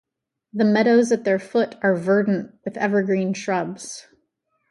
The meadows at their foot are verdant with evergreen shrubs.